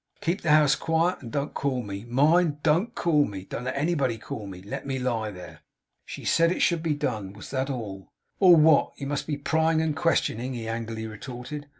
Keep the house quiet, and don't call me. Mind! Don't call me. Don't let anybody call me. Let me lie there.' She said it should be done. Was that all? 'All what? You must be prying and questioning!' he angrily retorted.